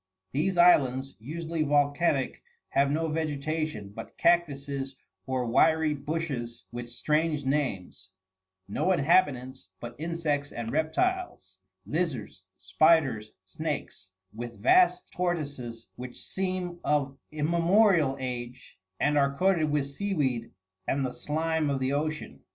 These islands, usually volcanic, have no vegetation but cactuses or wiry bushes with strange names; no inhabitants but insects and reptiles lizards, spiders, snakes, with vast tortoises which seem of immemorial age, and are coated with seaweed and the slime of the ocean.